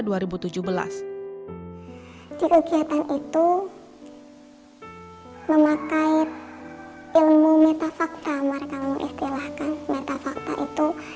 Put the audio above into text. di kegiatan itu memakai ilmu metafakta mereka mengistilahkan metafakta itu